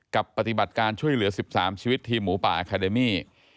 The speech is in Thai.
ปฏิบัติการช่วยเหลือ๑๓ชีวิตทีมหมูป่าอาคาเดมี่